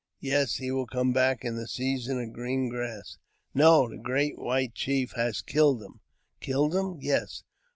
^Yes, he will come back in the season of green grass." No, the great white chief has killed him." "Killed him!" '' Yes."